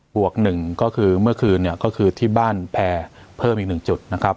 บวก๑ก็คือเมื่อคืนที่บ้านแพรเพิ่มอีก๑จุด